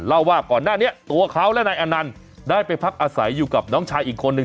เล่าว่าก่อนหน้านี้ตัวเขาและนายอนันต์ได้ไปพักอาศัยอยู่กับน้องชายอีกคนนึง